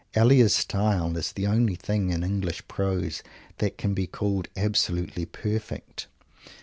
Elia's style is the only thing in English prose that can be called absolutely perfect.